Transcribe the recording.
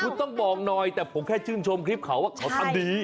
คุณต้องบอกหน่อยแต่ผมแค่ชื่นชมคลิปเขาว่าเขาทำดี